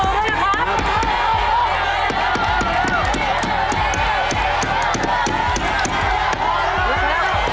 ค่อยร่วมมือด้วยนะครับ